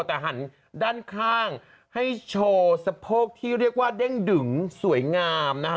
แต่หันด้านข้างให้โชว์สะโพกที่เรียกว่าเด้งดึงสวยงามนะฮะ